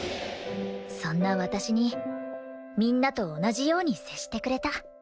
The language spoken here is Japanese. そんな私にみんなと同じように接してくれた。